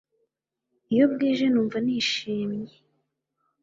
iyo bwije numva nishimye